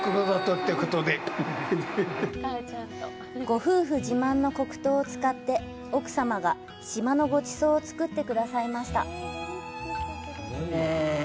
ご夫婦自慢の黒糖を使って、奥様が島のごちそうを作ってくださいました。